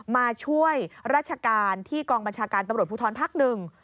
มาช่วยราชการที่กองบัญชาการตำรวจภูทรภักดิ์หนึ่ง